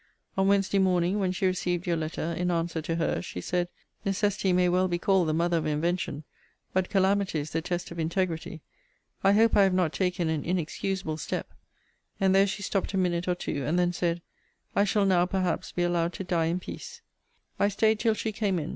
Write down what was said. On Wednesday morning, when she received your letter, in answer to her's, she said, Necessity may well be called the mother of invention but calamity is the test of integrity. I hope I have not taken an inexcusable step And there she stopt a minute or two; and then said, I shall now, perhaps, be allowed to die in peace. I staid till she came in.